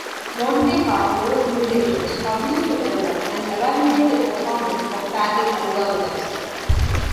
Monte Carlo simulations are used to develop and evaluate the performance of tagging algorithms.